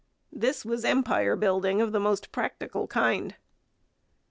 This was empire building of the most practical kind.